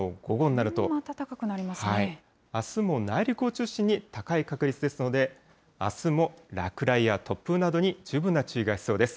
あすも内陸を中心に高い確率ですので、あすも落雷や突風などに十分な注意が必要です。